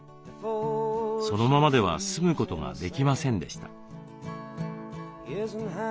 そのままでは住むことができませんでした。